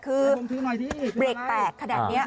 คือเบรกแตกขนาดนี้